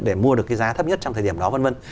để mua được cái giá thấp nhất trong thời điểm đó vân vân